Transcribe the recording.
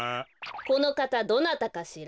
このかたどなたかしら？